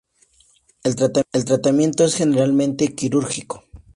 El tratamiento es generalmente quirúrgico.